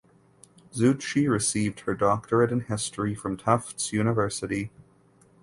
Zutshi received her doctorate in history from Tufts University.